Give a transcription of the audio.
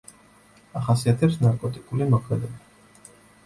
ახასიათებს ნარკოტიკული მოქმედება.